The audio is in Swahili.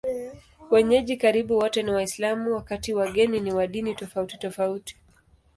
Wenyeji karibu wote ni Waislamu, wakati wageni ni wa dini tofautitofauti.